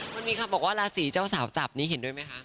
มันมีคำบอกว่าราศีเจ้าสาวจับนี้เห็นด้วยไหมคะ